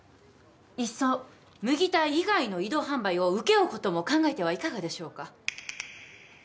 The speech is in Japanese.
いっそ麦田以外の移動販売を請け負うことも考えてはいかがでしょうか？